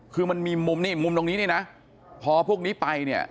คือมันมีมุมนี่มุมตรงนี้นี่นะพอพวกนี้ไปเนี่ย